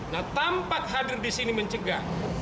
nah tampak hadir disini mencoba